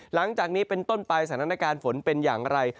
หลังจากนี้เป็นต้นไปสถานการณ์ฝนเป็นอย่างไร